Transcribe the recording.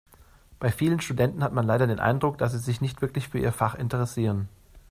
Bei vielen Studenten hat man leider den Eindruck, dass sie sich nicht wirklich für ihr Fach interessieren.